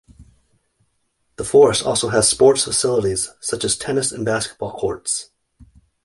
The Forest also has sports facilities, such as tennis and basketball courts.